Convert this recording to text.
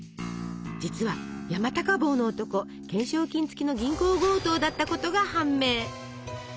実は山高帽の男懸賞金付きの銀行強盗だったことが判明。